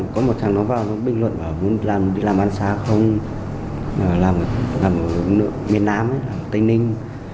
có một thằng nó vào bình luận là muốn đi làm bán xã không làm ở miền nam tây ninh